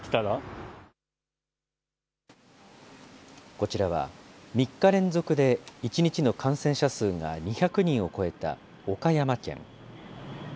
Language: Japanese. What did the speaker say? こちらは、３日連続で１日の感染者数が２００人を超えた岡山県。